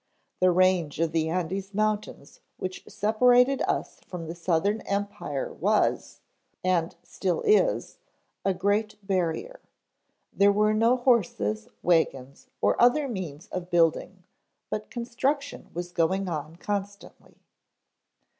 The range of the Andes mountains which separated us from the southern empires was, and still is, a great barrier. There were no horses, wagons or other means of building, but construction was going on constantly.